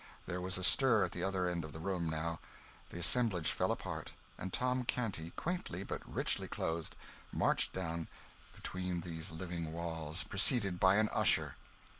There was a stir at the other end of the room, now; the assemblage fell apart, and Tom Canty, quaintly but richly clothed, marched down, between these living walls, preceded by an usher.